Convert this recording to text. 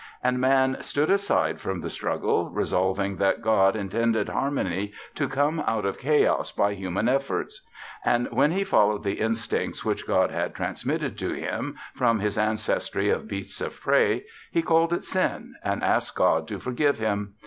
And Man stood aside from the struggle, resolving that God intended harmony to come out of chaos by human efforts. And when he followed the instincts which God had transmitted to him from his ancestry of beasts of prey, he called it Sin, and asked God to forgive him.